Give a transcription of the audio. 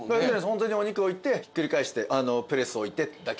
ホントにお肉置いてひっくり返してプレス置いてってだけです。